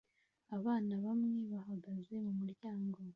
Abana bamwe bahagaze mumuryango